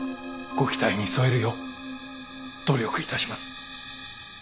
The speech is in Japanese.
ご期待に添えるよう努力いたします。